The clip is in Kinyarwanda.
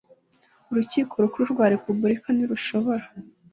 Urukiko Rukuru rwa Repubulika ntirushobora